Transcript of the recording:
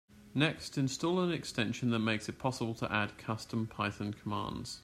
Next, install an extension that makes it possible to add custom Python commands.